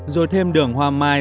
rồi thêm đường hoa mai